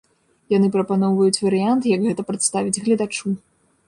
Яны прапаноўваюць варыянт, як гэта прадставіць гледачу.